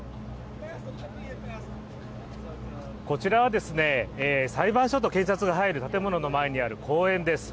こちらは裁判所と検察が入る建物の前にある公園です。